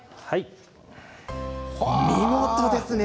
見事ですね。